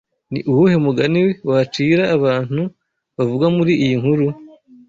Ni uwuhe mugani wacira abantu bavugwa muri iyi nkuru